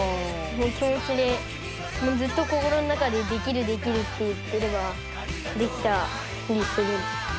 もう気持ちでもうずっと心の中で「できるできる」って言ってればできたりする。